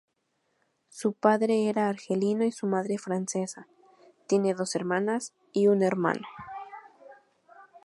Su padre era argelino y su madre francesa, tiene dos hermanas y un hermano.